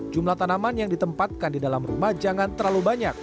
jumlah tanaman yang ditempatkan di dalam rumah jangan terlalu banyak